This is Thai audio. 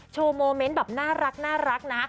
โชว์โมเม้นต์แบบน่ารักนะ